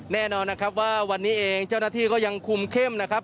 แน่นอนนะครับว่าวันนี้เองเจ้าหน้าที่ก็ยังคุมเข้มนะครับ